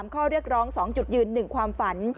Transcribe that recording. ข้อเรียกร้อง๒จุดยืน๑ความฝัน